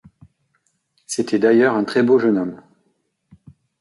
C’était d’ailleurs un très beau jeune homme.